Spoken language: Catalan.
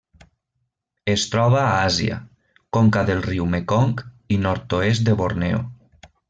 Es troba a Àsia: conca del riu Mekong i nord-oest de Borneo.